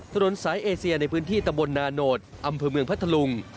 ถนนสายเอเซียในพื้นที่ตำบลนาโนธอำเภอเมืองพัทธลุง